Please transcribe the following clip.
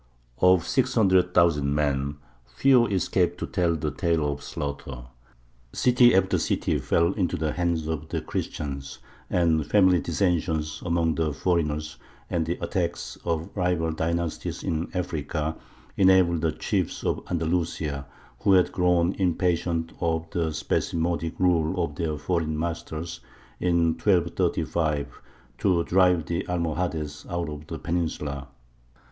Of 600,000 men, few escaped to tell the tale of slaughter. City after city fell into the hands of the Christians; and family dissensions among the foreigners, and the attacks of rival dynasties in Africa, enabled the chiefs of Andalusia, who had grown impatient of the spasmodic rule of their foreign masters, in 1235, to drive the Almohades out of the peninsula.